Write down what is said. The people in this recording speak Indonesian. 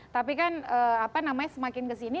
tapi kan semakin ke sini